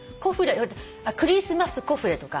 「クリスマスコフレ」とか。